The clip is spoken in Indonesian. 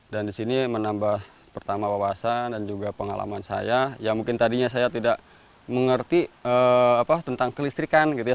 dan disini menambah pertama wawasan dan juga pengalaman saya ya mungkin tadinya saya tidak mengerti tentang kelistrikan gitu ya